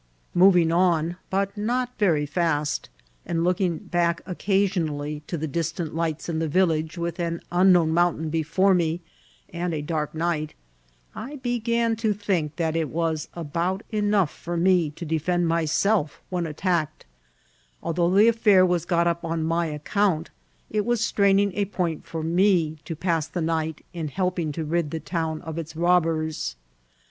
Moving on, but not very fast, and lookij^ back occa* sionally to the distant lights in the village, with an un known mountain before me and a dark night, I began to think that it was about enough for me to defmd my* self when attacked ; although' the affur was got up on my account, it was straining a point for me to pass the night in helping to rid the town of its robbers.